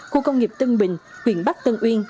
khu công nghiệp tân bình huyện bắc tân uyên